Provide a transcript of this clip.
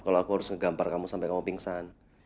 kalau aku harus ngegampar kamu sampai kamu pingsan